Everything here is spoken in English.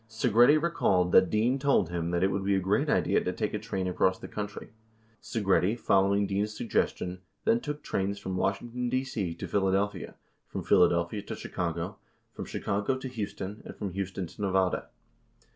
Segretti recalled that Dean told him that it would be a great idea to take a train across the country. 67 Segretti, following Dean's suggestion, then took trains from Washington, D.C. to Phila delphia, from Philadelphia to Chicago, from Chicago to Houston, and from Houston to Nevada.